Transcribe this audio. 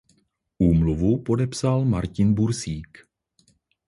Úmluvu podepsal Martin Bursík.